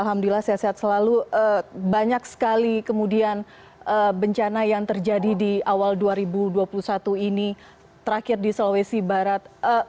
alhamdulillah sehat selalu banyak sekali kemudian bencana yang terjadi di awal dua ribu dua puluh satu ini terakhir di sulawesi barat